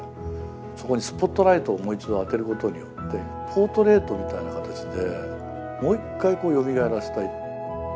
そこにスポットライトをもう一度当てることによってポートレートみたいな形でもう一回よみがえらせたい。